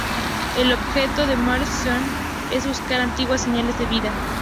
El objetivo del Mars Science Laboratory es buscar antiguas señales de vida.